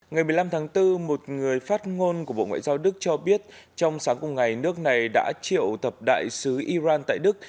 ngày một mươi năm tháng bốn một người phát ngôn của bộ ngoại giao đức cho biết trong sáng cùng ngày nước này đã triệu thập đại sứ iran tại đức